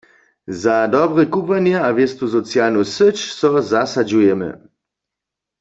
Za dobre kubłanje a wěstu socialnu syć so zasadźujemy.